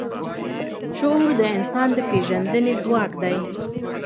شعور د ځان د پېژندنې ځواک دی.